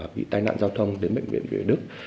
bị tai nạn giao thông đến bệnh viện việt đức